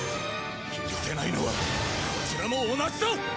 許せないのはこちらも同じだ！